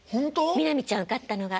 南ちゃん受かったのが。